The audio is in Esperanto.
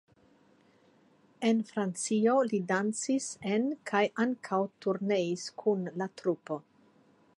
En Francio li dancis en kaj ankaŭ turneis kun la trupo.